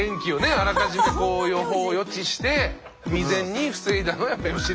あらかじめ予知して未然に防いだのはやっぱり良純。